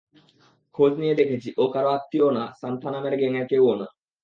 খোঁজ নিয়ে দেখেছি, ও কারো আত্মীয়ও না, সান্থানামের গ্যাং এর কেউও না।